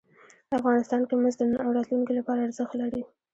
افغانستان کې مس د نن او راتلونکي لپاره ارزښت لري.